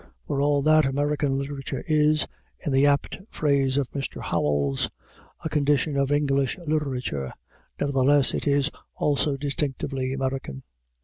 For all that American literature is, in the apt phrase of Mr. Howells, "a condition of English literature," nevertheless it is also distinctively American.